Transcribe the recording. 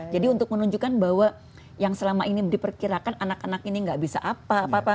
jadi untuk menunjukkan bahwa yang selama ini diperkirakan anak anak ini gak bisa apa apa